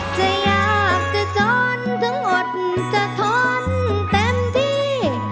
จะยากจะจ้อนถึงอดจะทนเต็มที่